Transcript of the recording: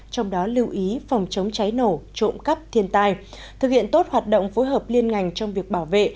trong đó lưu ý phòng chống cháy nổ trộm cắp thiên tai thực hiện tốt hoạt động phối hợp liên ngành trong việc bảo vệ